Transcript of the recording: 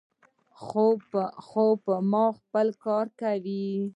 خو ما به خپل کار کاوه.